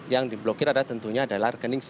yang diblokir adalah tentunya adalah rekening